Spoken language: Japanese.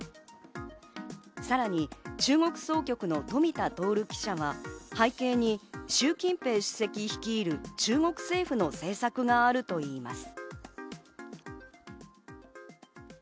さらに中国総局の富田徹記者は、背景にシュウ・キンペイ首席率いる中国政府の政策があるといいます。